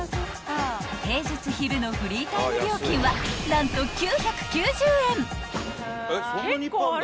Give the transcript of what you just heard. ［平日昼のフリータイム料金は何と９９０円！］